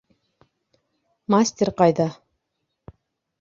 Мастерҡайҙа?